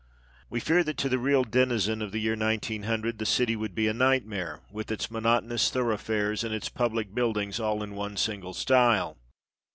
We fear that to the real denizen of the year 1900 the city would be a nightmare, with its monotonous thoroughfares and its public buildings all in one single style.